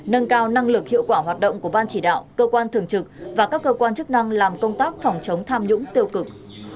nâng cao năng lực hiệu quả hoạt động của ban chỉ đạo cơ quan thường trực và các cơ quan chức năng làm công tác phòng chống tham nhũng tiêu cực